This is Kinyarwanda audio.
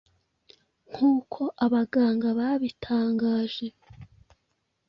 Nk’uko abaganga babitangaje,